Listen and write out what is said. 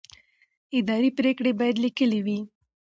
اداري پرېکړې باید لیکلې وي.